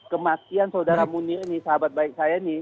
kemaksian saudara munir ini sahabat baik saya ini